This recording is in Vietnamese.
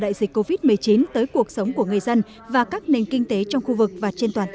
đại dịch covid một mươi chín tới cuộc sống của người dân và các nền kinh tế trong khu vực và trên toàn thế